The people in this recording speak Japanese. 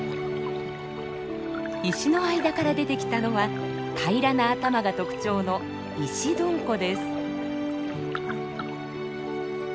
石の間から出てきたのは平らな頭が特徴のイシドンコです。